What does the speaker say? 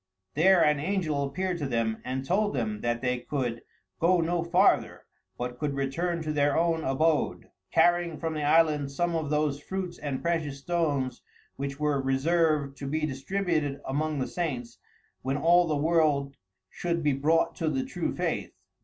There an angel appeared to them, and told them that they could go no farther, but could return to their own abode, carrying from the island some of those fruits and precious stones which were reserved to be distributed among the saints when all the world should be brought to the true faith.